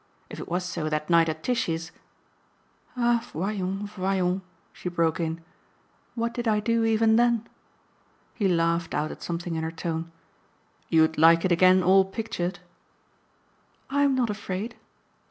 If it was so that night at Tishy's !" "Ah, voyons, voyons," she broke in, "what did I do even then?" He laughed out at something in her tone. "You'd like it again all pictured ?" "I'm not afraid."